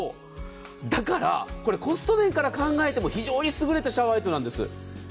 だからコスト面から考えても非常に優れたシャワーヘッドです。